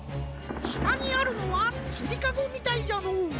したにあるのはつりかごみたいじゃのう。